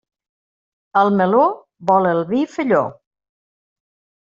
El meló vol el vi felló.